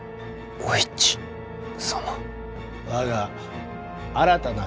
お市様？